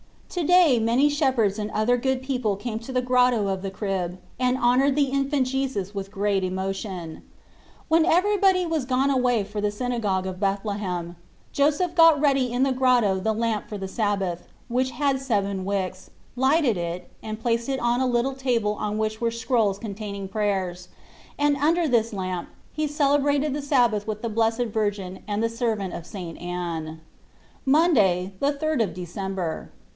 To day many shepherds and other good people came to the Grotto of the Crib and honoured the Infant Jesus with great emotion. When everybody was gone away for the synagogue of Bethlehem, Joseph got ready in the grotto the lamp for the Sab bath, which had seven wicks, lighted it, and placed it on a little table on which were scrolls containing prayers, and under this lamp he celebrated the Sabbath with the Blessed Virgin and the servant of St. Anne. Monday, the 3rd of December.